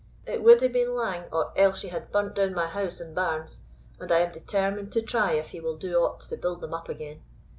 It wad hae been lang or Elshie had burnt down my house and barns, and I am determined to try if he will do aught to build them up again.